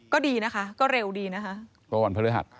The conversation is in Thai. ก็ดีนะคะก็เร็วดีนะคะก็วันพฤหัส